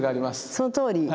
そのとおり。